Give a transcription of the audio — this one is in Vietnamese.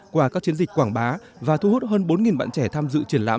qua các chiến dịch quảng bá và thu hút hơn bốn bạn trẻ tham dự triển lãm